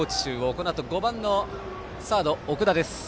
このあと、５番のサード、奥田。